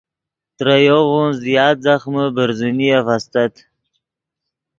ترے یوغون زیات ځخمے برزنیف استت